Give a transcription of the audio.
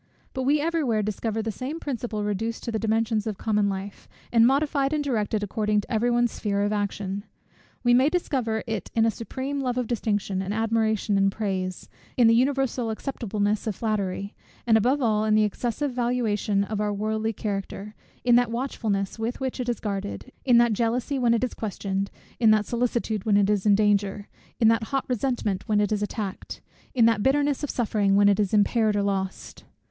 But we every where discover the same principle reduced to the dimensions of common life, and modified and directed according to every one's sphere of action. We may discover it in a supreme love of distinction, and admiration, and praise; in the universal acceptableness of flattery; and above all in the excessive valuation of our worldly character, in that watchfulness with which it is guarded, in that jealousy when it is questioned, in that solicitude when it is in danger, in that hot resentment when it is attacked, in that bitterness of suffering when it is impaired or lost.